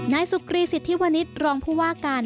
นายสุกรีสิทธิ์วันนี้รองพูดว่าการ